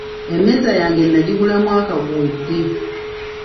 Emmeeza yange nagigula mwaka guwedde.